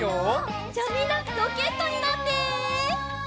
じゃみんなロケットになって！